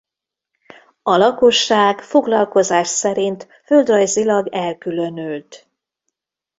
A lakosság foglalkozás szerint földrajzilag elkülönült.